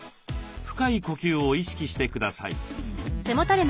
深い呼吸を意識してください。